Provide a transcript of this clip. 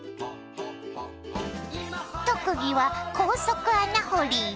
特技は高速穴掘り。